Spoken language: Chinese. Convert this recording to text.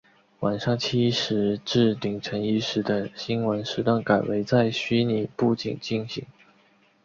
晚上七时至凌晨一时的新闻时段改为在虚拟布景进行。